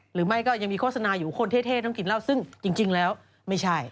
หรือไม่ก็ยังมีโฆษณาอยู่คนเท่ต้องกินเหล้าซึ่งจริงแล้วไม่ใช่